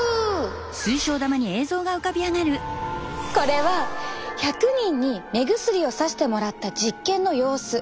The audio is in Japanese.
これは１００人に目薬をさしてもらった実験の様子。